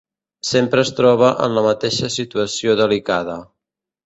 Sempre es troba en la mateixa situació delicada.